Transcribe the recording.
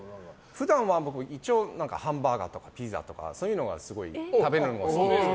普段は僕ハンバーガーとかピザとかそういうのがすごい食べるのが好きで。